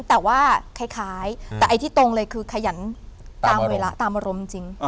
แต่ไอ้ที่ตรงเลยคือขยันตามเวลาตามอารมณ์จริง